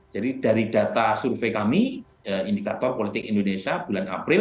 jadi dari data survei kami indikator politik indonesia bulan april